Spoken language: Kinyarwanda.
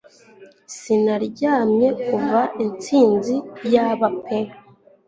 Sinaryamye kuva Intsinzi, yaba pe